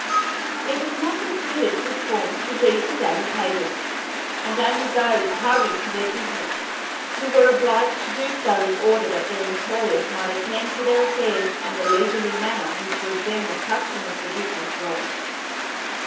It was not considered good form to read the daily papers; and only those hurried to their business who were obliged to do so in order that their employers might attend to their affairs in the leisurely manner which was then the custom of the business world.